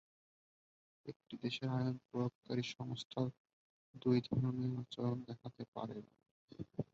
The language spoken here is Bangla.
একটি দেশের আইন প্রয়োগকারী সংস্থা দুই ধরনের আচরণ দেখাতে পারে না।